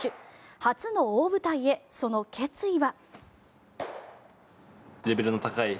初の大舞台へその決意は。